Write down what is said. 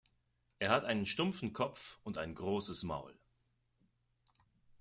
Er hat einen stumpfen Kopf und ein großes Maul.